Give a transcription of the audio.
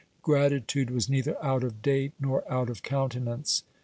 347 gratitude was neither out of date nor out of countenance.